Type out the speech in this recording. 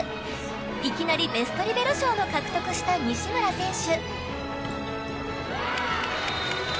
いきなりベストリベロ賞も獲得した西村選手。